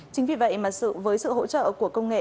chính vì vậy mà với sự hỗ trợ của công nghệ